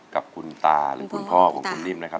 กับคุณตาหรือคุณพ่อของคุณนิ่มนะครับ